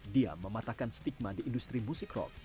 dia mematahkan stigma di industri musik rock